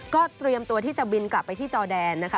ก็เตรียมตัวที่จะบินกลับไปที่จอแดนนะคะ